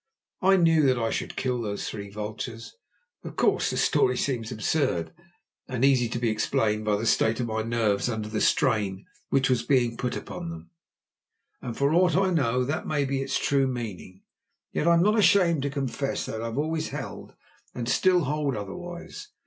I knew that I should kill those three vultures. Of course the story seems absurd, and easy to be explained by the state of my nerves under the strain which was being put upon them, and for aught I know that may be its true meaning. Yet I am not ashamed to confess that I have always held, and still hold, otherwise.